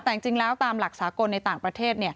แต่จริงแล้วตามหลักสากลในต่างประเทศ